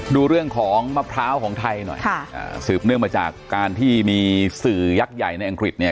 ดูเรื่องของมะพร้าวของไทยหน่อยค่ะอ่าสืบเนื่องมาจากการที่มีสื่อยักษ์ใหญ่ในอังกฤษเนี่ย